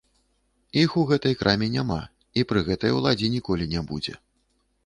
Іх у гэтай краіне няма і пры гэтай уладзе ніколі не будзе.